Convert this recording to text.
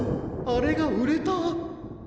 あれがうれた？